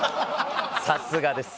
さすがです。